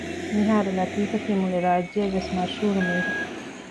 މިހާރު ލަތީފަކީ މުޅި ރާއްޖެއަށްވެސް މަޝްހޫރު މީހެއް